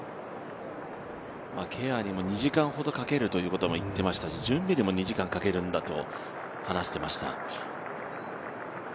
ケアにも２時間ほどかけるということも言っていましたし、準備にも２時間かけると言っていました。